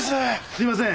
すみません。